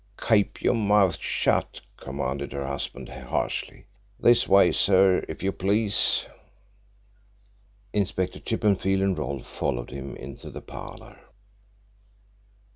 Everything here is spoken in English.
"Keep your mouth shut," commanded her husband harshly. "This way, sir, if you please." Inspector Chippenfield and Rolfe followed him into the parlour.